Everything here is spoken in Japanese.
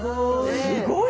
すごい。